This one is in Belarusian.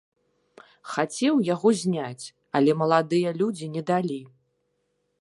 Хацеў яго зняць, але маладыя людзі не далі.